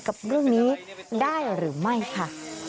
กับเรื่องนี้ได้หรือไม่ค่ะ